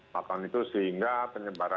maka itu sehingga penyebaran